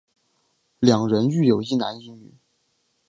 两人育有一男一女。